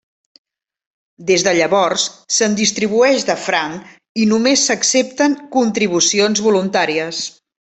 Des de llavors se'n distribueix de franc i només s'accepten contribucions voluntàries.